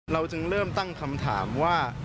เราจึงเริ่มตั้งคำถามว่า